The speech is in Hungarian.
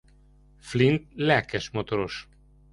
Flint lelkes motoros.